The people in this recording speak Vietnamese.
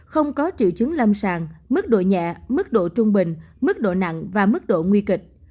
không có triệu chứng lâm sàng mức độ nhẹ mức độ trung bình mức độ nặng và mức độ nguy kịch